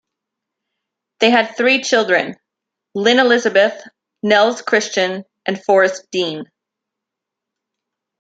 They had three children: Lynn Elizabeth, Nels Christian, and Forrest Dean.